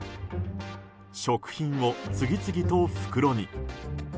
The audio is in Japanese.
食品を次々と袋に。